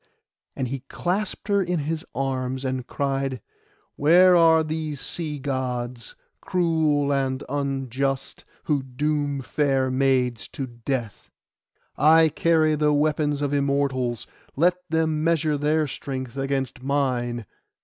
And he clasped her in his arms, and cried, 'Where are these sea Gods, cruel and unjust, who doom fair maids to death? I carry the weapons of Immortals. Let them measure their strength against mine!